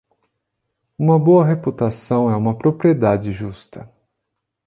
Uma boa reputação é uma propriedade justa.